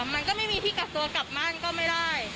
มันก็ไม่มีที่กักตัวกลับบ้านก็ไม่ได้